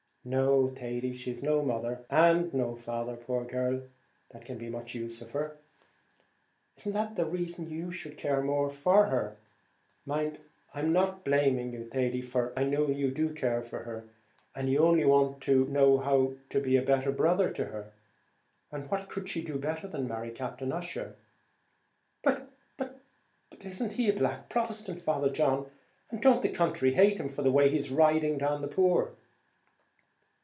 "No, Thady, she's no mother; and no father, poor girl, that can do much for her; and isn't that the reason you should care the more for her? Mind, I'm not blaming you, Thady, for I know you do care for her; and you only want to know how to be a better brother to her; and what could she do better than marry Captain Ussher?" "But isn't he a black Protestant, Father John; and don't the country hate him for the way he's riding down the poor?"